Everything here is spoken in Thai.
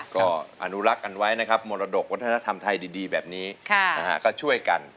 ก็อนุรักษ์กันไว้นะครับมรดกวัฒนธรรมไทยดีแบบนี้ก็ช่วยกัน